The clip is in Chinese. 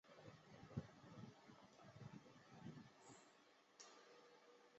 科尔姆埃克吕斯人口变化图示